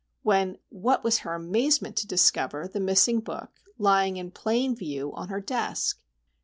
—When what was her amazement to discover the missing book lying in plain view on her desk!